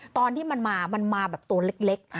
ตอนที่มันมามันมาแบบตัวเล็ก